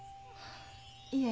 いえ。